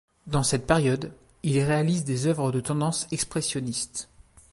Dans cette période, il réalise des œuvres de tendance expressionniste.